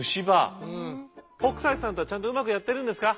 北斎さんとはちゃんとうまくやってるんですか？